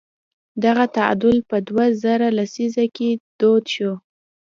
دغه تعامل په دوه زره لسیزه کې دود شو.